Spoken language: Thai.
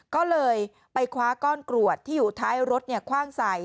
ก็เลยไปคว้าก้อนกรวดที่อยู่ท้ายรถคว่างใส่